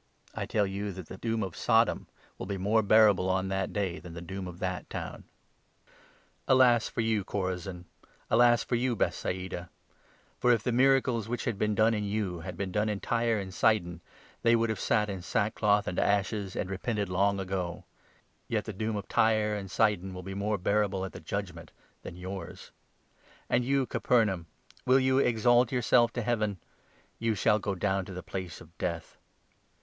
I tell you that the 12 doom of Sodom will be more bearable on ' That Day ' than the doom of that town. Alas for you, Chorazin ! Alas 13 The Doom of ^or vou> Bethsaida ! For, if the miracles which the Towns of have been done in you had been done in Tyre Gaiiiee. ancj Sidon, they would have sat in sackcloth and ashes and repented long ago. Yet the doom of Tyre 14 and Sidon will be more bearable at the Judgement than yours. And you, Capernaum ! Will you ' exalt your 15 self to Heaven '?' You shall go down to the Place of Death.'